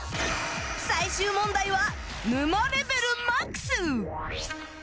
最終問題は沼レベルマックス！